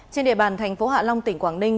trên địa bàn tp hạ long tỉnh quảng ninh